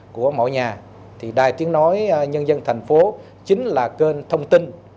của mỗi nhà thì đài tiếng nói nhân dân thành phố chính là kênh thông tin